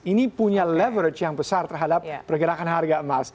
ini punya leverage yang besar terhadap pergerakan harga emas